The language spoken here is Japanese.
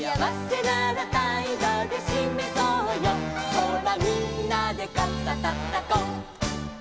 「ほらみんなで肩たたこう」